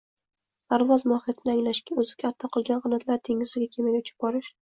parvoz mohiyatini anglashga, o‘ziga ato etilgan qanotlar dengizdagi kemaga uchib borish